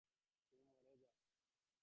আর ভুলে-যাওয়া বুঝি পুরুষদের স্বভাবসিদ্ধ নয়?